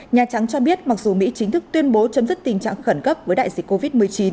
nhà trắng cho biết mặc dù mỹ chính thức tuyên bố chấm dứt tình trạng khẩn cấp với đại dịch covid một mươi chín